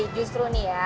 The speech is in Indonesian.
justru nih ya